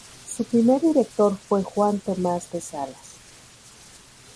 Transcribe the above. Su primer director fue Juan Tomás de Salas.